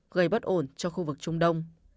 gây bất ổn cho khu vực trung đông